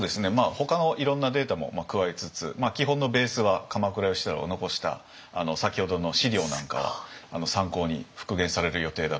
ほかのいろんなデータも加えつつ基本のベースは鎌倉芳太郎が残した先ほどの資料なんかは参考に復元される予定だと思います。